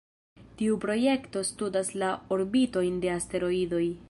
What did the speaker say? Tiu projekto studas la orbitojn de asteroidoj.